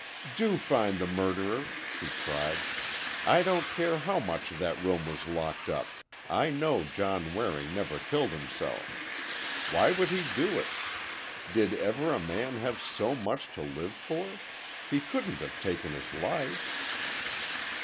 "Do find the murderer!" she cried; "I don't care how much that room was locked up, I know John Waring never killed himself! Why would he do it? Did ever a man have so much to live for? He couldn't have taken his life!"